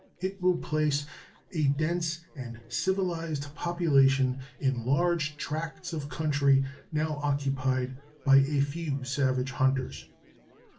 It will place a dense and civilized population in large tracts of country now occupied by a few savage hunters.